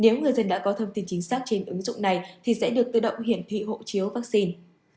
nếu người dân đã có thông tin chính xác trên ứng dụng này thì sẽ được tự động hiển thị hộ chiếu vaccine